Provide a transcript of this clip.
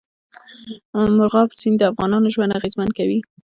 مورغاب سیند د افغانانو ژوند اغېزمن کوي.